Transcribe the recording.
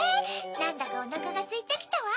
なんだかおなかがすいてきたわ。